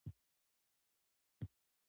انټرنیټ معلومات اسانه کړي دي